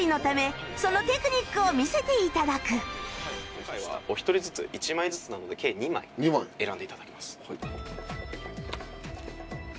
今回はお一人ずつ１枚ずつなので計２枚選んで頂きます。